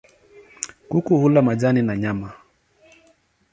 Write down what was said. Kuku hula majani na nyama.